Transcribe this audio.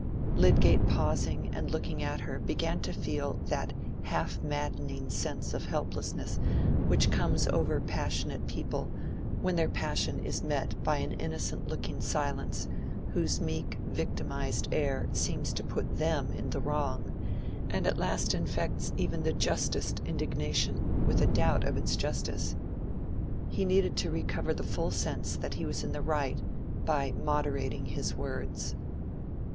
Lydgate pausing and looking at her began to feel that half maddening sense of helplessness which comes over passionate people when their passion is met by an innocent looking silence whose meek victimized air seems to put them in the wrong, and at last infects even the justest indignation with a doubt of its justice. He needed to recover the full sense that he was in the right by moderating his words.